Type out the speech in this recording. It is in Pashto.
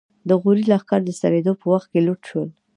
د غوري لښکرې د ستنېدو په وخت کې لوټ شول.